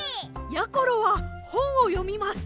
やころはほんをよみます。